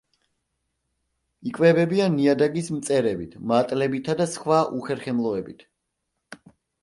იკვებებიან ნიადაგის მწერებით, მატლებითა და სხვა უხერხემლოებით.